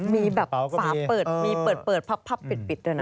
มีแบบฝาเปิดมีเปิดพับปิดด้วยนะ